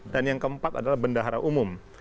dan yang keempat adalah bendahara umum